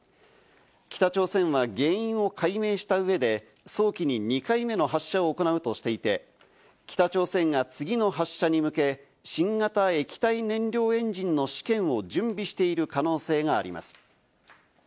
北朝鮮は原因を解明した上で早期に２回目の発射を行うとしていて、北朝鮮が次の発射に向け、新型液体燃料エンジンの試験を準備している可能性があります。